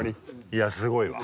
いやすごいわ。